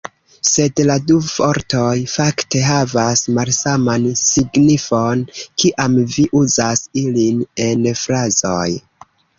Sed la du vortoj fakte havas malsaman signifon, kiam vi uzas ilin en frazoj.